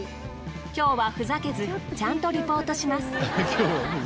今日はふざけずちゃんとリポートします。